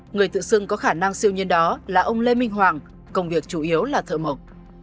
người tự xưng có khả năng siêu nhân đó là ông lê minh hoàng công việc chủ yếu là thợ mộc